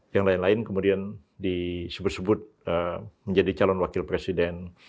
yang lain lain kemudian disebut sebut menjadi calon wakil presiden